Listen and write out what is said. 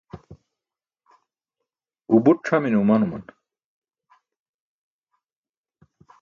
u buṭ c̣hamine omanuman